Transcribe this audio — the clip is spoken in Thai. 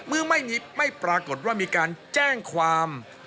เมื่อไม่ปรากฏว่ามีการแจ้งความ